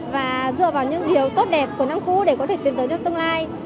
và dựa vào những điều tốt đẹp của năm cũ để có thể tìm tới trong tương lai